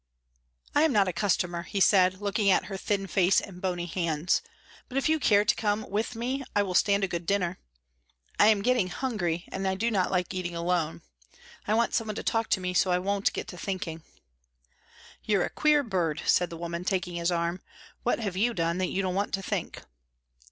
"I am not a customer," he said, looking at her thin face and bony hands, "but if you care to come with me I will stand a good dinner. I am getting hungry and do not like eating alone. I want some one to talk to me so that I won't get to thinking." "You're a queer bird," said the woman, taking his arm. "What have you done that you don't want to think?"